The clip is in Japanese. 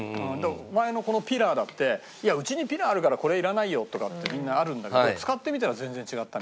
前のピーラーだってうちにピーラーあるからこれいらないよとかってみんなあるんだけど使ってみたら全然違った。